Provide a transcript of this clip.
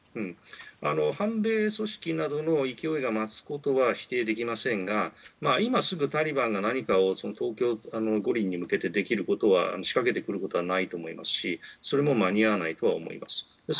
反米組織などの勢いが増すことは否定できませんが今すぐタリバンが何かを東京五輪に向けて仕掛けてくることはないと思いますしそれも間に合わないと思います。